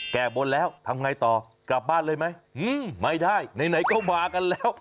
แก้บนแล้วทำไงต่อกลับบ้านเลยไหมไม่ได้ไหนก็มากันแล้ว